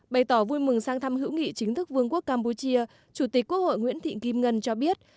bày tỏ vui mừng sang thăm hữu nghị chính thức vương quốc campuchia chủ tịch quốc hội nguyễn thị kim ngân cho biết